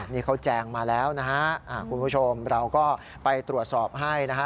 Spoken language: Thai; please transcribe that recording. นี่เขาแจงมาแล้วนะฮะคุณผู้ชมเราก็ไปตรวจสอบให้นะฮะ